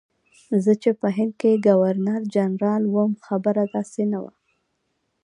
زه چې په هند کې ګورنرجنرال وم خبره داسې نه وه.